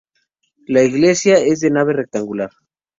La iglesia es de nave rectangular.